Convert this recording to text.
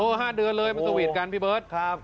เอ้อห้าเดือนเลยมันสวีทกันพี่เบิ๊สครับ